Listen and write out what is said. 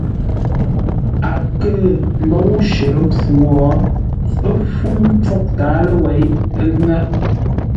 A kə̂ mbóu shərə́ mpfu wo, ə́ fúŋ mpfǒghʼ tǎaló wêi, ə́ ŋə́.